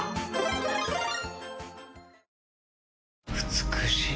美しい。